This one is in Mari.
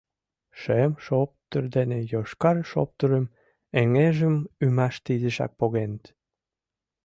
Шем шоптыр дене йошкар шоптырым, эҥыжым ӱмаште изишак погеныт.